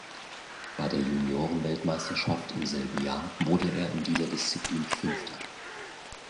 Bei der Junioren-Weltmeisterschaft im selben Jahr wurde er in dieser Disziplin Fünfter.